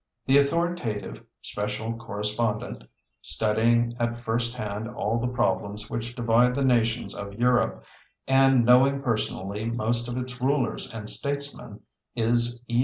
The authoritative special correspondent, studying at first hand all the problems which divide the nations of Europe, and knowing personally most of its rulers and statesmen, is E.